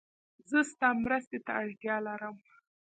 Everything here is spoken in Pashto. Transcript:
زه ستا مرسته ته اړتیا لرم.